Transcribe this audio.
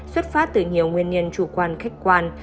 xuất phát từ nhiều nguyên nhân chủ quan khách quan